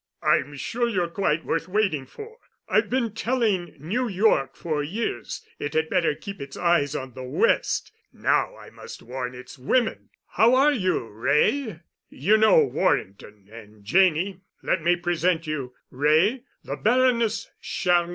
"I'm sure you're quite worth waiting for. I've been telling New York for years it had better keep its eyes on the West. Now I must warn its women. How are you, Wray? You know Warrington—and Janney. Let me present you, Wray—the Baroness Charny."